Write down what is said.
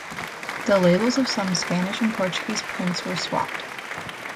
The labels of some Spanish and Portuguese prints are swapped.